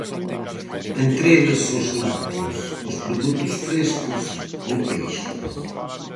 Entre eles os lácteos, os produtos frescos e o peixe.